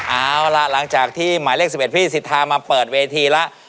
เอาล่ะหลังจากที่หมายเลข๑๑พี่สิทธามาเปิดเวทีแล้ว